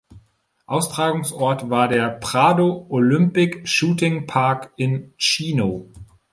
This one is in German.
Austragungsort war der "Prado Olympic Shooting Park" in Chino.